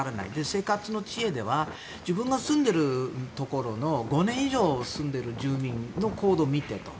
生活の知恵では自分が住んでいるところの５年以上住んでいる住民の行動を見てと。